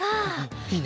いいね。